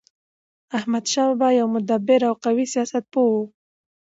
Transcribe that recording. احمدشاه بابا يو مدبر او قوي سیاست پوه و.